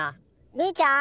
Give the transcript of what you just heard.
兄ちゃん？